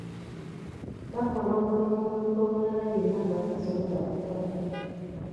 Bakola omulimu omuntu omulala yenna gw'atasobola kukola.